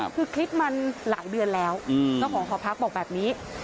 คือคลิปมันหลายเดือนแล้วเจ้าของหอพักบอกแบบนี้